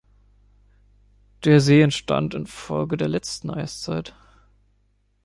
Der See entstand infolge der letzten Eiszeit.